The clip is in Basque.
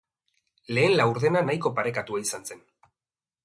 Lehen laurdena nahiko parekatua izan zen.